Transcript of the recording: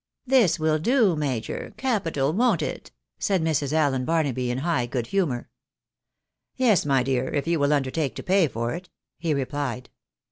"This will do, major, capital, won't it?" said Mrs. Allen Barnaby, in high good humour. " Yes, my dear ; if you will undertake to pay for it," he replied.